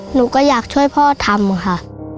หนูก็อยากช่วยพ่อทำค่ะ